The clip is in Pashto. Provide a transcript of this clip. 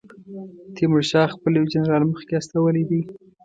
تیمورشاه خپل یو جنرال مخکې استولی دی.